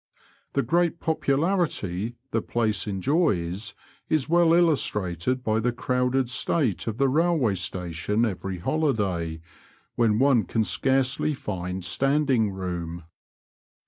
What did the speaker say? The great popularity the place enjoys is well illustrated by the crowded state of the railway station every holiday, when one can scarcely find standing room.